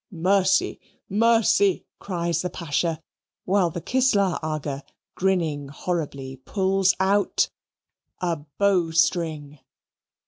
"Mercy! mercy!" cries the Pasha: while the Kislar Aga, grinning horribly, pulls out a bow string.